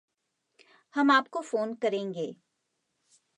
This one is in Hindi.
हम आपको फ़ोन करेंगे।